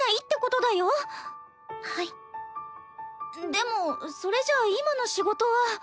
でもそれじゃあ今の仕事は。